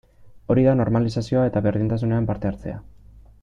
Hori da normalizazioa eta berdintasunean parte hartzea.